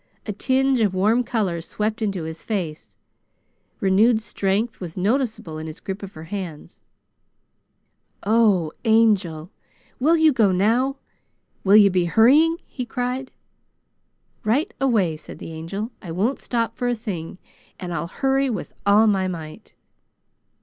A tinge of warm color swept into his face. Renewed strength was noticeable in his grip of her hands. "Oh Angel! Will you go now? Will you be hurrying?" he cried. "Right away," said the Angel. "I won't stop for a thing, and I'll hurry with all my might."